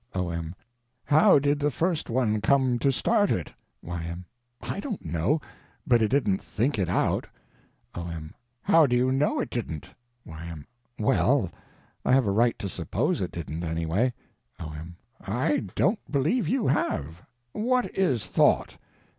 O.M. How did the first one come to start it? Y.M. I don't know; but it didn't _think _it out. O.M. How do you know it didn't? Y.M. Well—I have a right to suppose it didn't, anyway. O.M. I don't believe you have. What is thought?